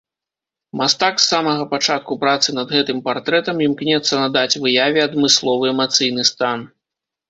Мастак з самага пачатку працы над гэтым партрэтам імкнецца надаць выяве адмысловы эмацыйны стан.